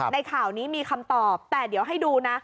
ข่าวนี้มีคำตอบแต่เดี๋ยวให้ดูนะ